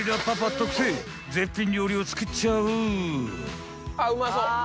特製絶品料理を作っちゃう！